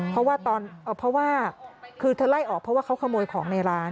เพราะว่าคือเธอไล่ออกเพราะว่าเขาขโมยของในร้าน